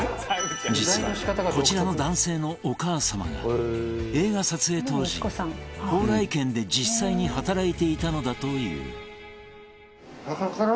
実はこちらの男性のお母様が映画撮影当時宝来軒で実際に働いていたのだという